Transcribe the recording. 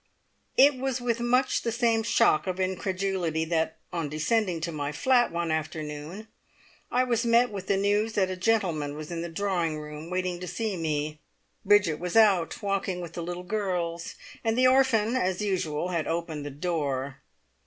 It was with much the same shock of incredulity that, on descending to my flat one afternoon, I was met with the news that a gentleman was in the drawing room waiting to see me. Bridget was out walking with the little girls, and the orphan, as usual, had opened the door.